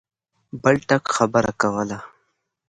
بل ټک خبره کوله.